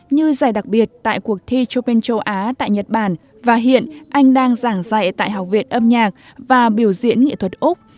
như giải đặc biệt tại cuộc thi chopin châu á tại nhật bản và hiện anh đang giảng dạy tại học viện âm nhạc và biểu diễn nghệ thuật úc